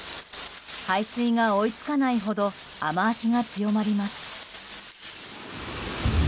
排水が追い付かないほど雨脚が強まります。